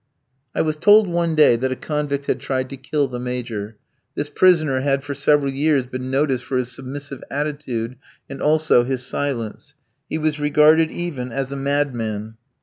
I was told one day that a convict had tried to kill the Major. This prisoner had for several years been noticed for his submissive attitude and also his silence. He was regarded even as a madman.